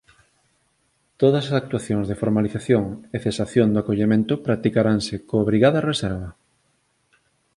Todas as actuacións de formalización e cesación do acollemento practicaranse coa obrigada reserva.